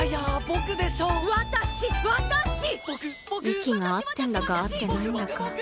息が合ってんだか合ってないんだか